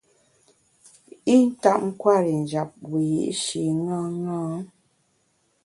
I ntap nkwer i njap wiyi’shi ṅaṅâ.